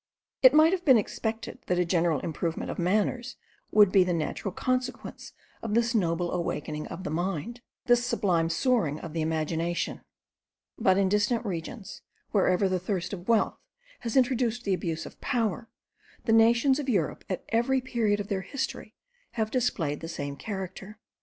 It might have been expected that a general improvement of manners would be the natural consequence of this noble awakening of the mind, this sublime soaring of the imagination. But in distant regions, wherever the thirst of wealth has introduced the abuse of power, the nations of Europe, at every period of their history, have displayed the same character.